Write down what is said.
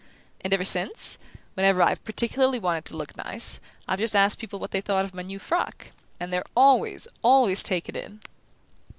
And ever since, whenever I've particularly wanted to look nice, I've just asked people what they thought of my new frock; and they're always, always taken in!"